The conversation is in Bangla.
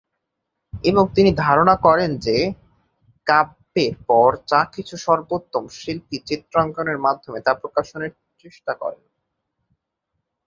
এবং তিনি ধারণা করেন যে, কাব্যের পর যা কিছু সর্বোত্তম শিল্পী চিত্রাঙ্কনের মাধ্যমে তাই প্রকাশের চেষ্টা করতেন।